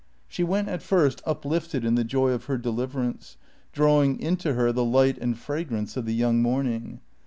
She went at first uplifted in the joy of her deliverance, drawing into her the light and fragrance of the young morning.